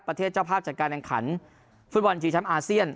ประเทศเจ้าภาพจัดการแด่งขันภูมิวัลชีวิตช้ำอาเซียน